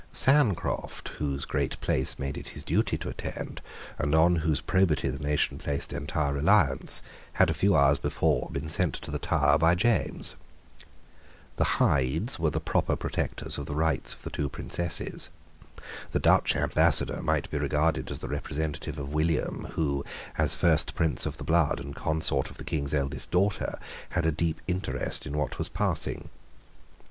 Sancroft, whose great place made it his duty to attend, and on whose probity the nation placed entire reliance, had a few hours before been sent to the Tower by James. The Hydes were the proper protectors of the rights of the two Princesses. The Dutch Ambassador might be regarded as the representative of William, who, as first prince of the blood and consort of the King's eldest daughter, had a deep interest in what was passing.